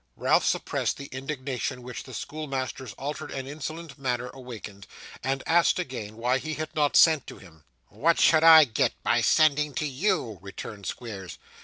Ralph suppressed the indignation which the schoolmaster's altered and insolent manner awakened, and asked again why he had not sent to him. 'What should I get by sending to you?' returned Squeers.